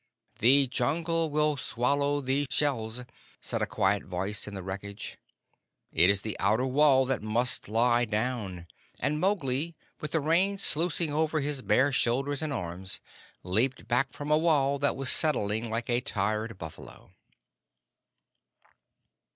"The Jungle will swallow these shells," said a quiet voice in the wreckage. "It is the outer wall that must lie down," and Mowgli, with the rain sluicing over his bare shoulders and arms, leaped back from a wall that was settling like a tired buffalo.